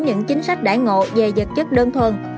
những chính sách đại ngộ về dật chất đơn thuần